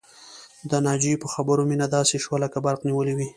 د ناجيې په خبرو مينه داسې شوه لکه برق نيولې وي